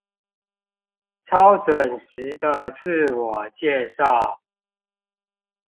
超準時的自我介紹